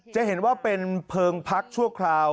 จะเห็นว่าเป็นเพลิงพักชั่วคราว